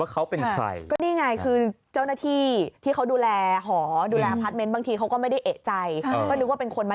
คุณเห็นการแต่งตัวเขาไหม